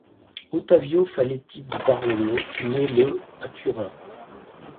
Ottavio Faletti di Barolo naît le à Turin.